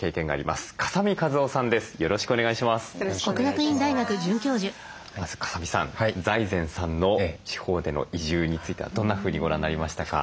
まず嵩さん財前さんの地方での移住についてはどんなふうにご覧になりましたか？